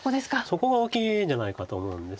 そこが大きいんじゃないかと思うんですよね。